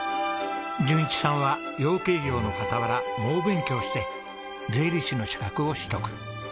淳一さんは養鶏業の傍ら猛勉強して税理士の資格を取得。